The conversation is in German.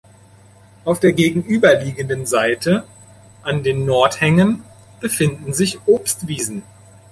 Auf der gegenüberliegenden Seite, an den Nordhängen, befinden sich Obstwiesen.